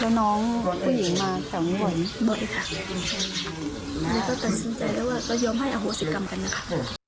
แล้วน้องผู้หญิงมาแถวนี้บ่อยบ่อยค่ะก็ก็ตัดสินใจแล้วว่าก็ยอมให้อโหสิกรรมกันนะคะ